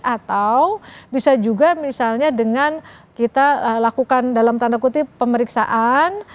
atau bisa juga misalnya dengan kita lakukan dalam tanda kutip pemeriksaan